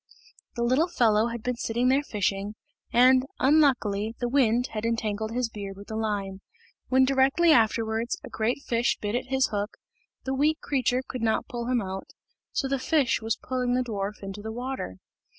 The little fellow had been sitting there fishing, and, unluckily, the wind had entangled his beard with the line. When directly afterwards a great fish bit at his hook, the weak creature could not pull him out, so the fish was pulling the dwarf into the water.